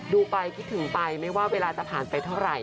ดูไปคิดถึงไปไม่ว่าเวลาจะผ่านไปเท่าไหร่